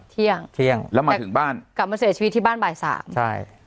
เที่ยงเที่ยงแล้วมาถึงบ้านกลับมาเสียชีวิตที่บ้านบ่ายสามใช่